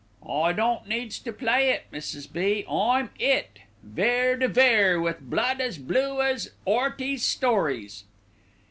"I don't needs to play it, Mrs. B., I'm IT. Vere de Vere with blood as blue as 'Earty's stories."